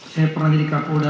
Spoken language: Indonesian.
saya pernah di kapolda